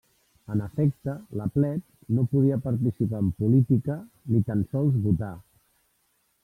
En efecte, la plebs no podia participar en política, ni tan sols votar.